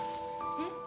えっ？